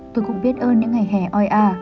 tôi cũng biết ơn những ngày hè oi à